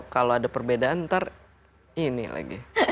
kalau ada perbedaan nanti ini lagi